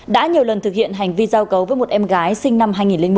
đã nhiều lần thực hiện hành vi giao cấu với một em gái sinh năm hai nghìn một